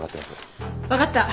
わかった。